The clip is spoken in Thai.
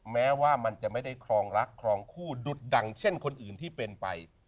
แม้ว่ามันจะไม่ได้ครองรักครองคู่ดุดดังเช่นคนอื่นที่เป็นไป